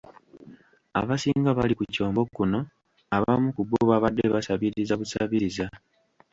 Abasinga bali ku kyombo kuno, abamu ku bo babadde basabiriza busabiriza.